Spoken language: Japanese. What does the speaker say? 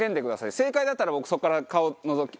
正解だったら僕そこから顔のぞかせます。